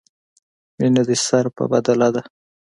مینه دې سر په بدله ده.